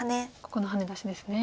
ここのハネ出しですね。